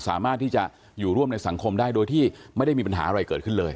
สามารถที่จะอยู่ร่วมในสังคมได้โดยที่ไม่ได้มีปัญหาอะไรเกิดขึ้นเลย